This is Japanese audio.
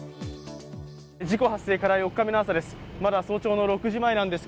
事故発生から４日目の朝です。